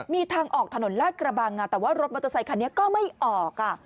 มีทางออกถนนลาดกระบังแต่ว่ารถมอเตอร์ไซคันนี้ก็ไม่ออก